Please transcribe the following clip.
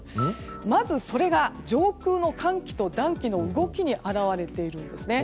まず、それが上空の寒気と暖気の動きに表れているんですね。